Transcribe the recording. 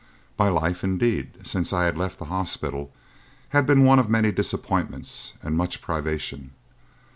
My life, indeed, since I had left the hospital had been one of many disappointments and much privation.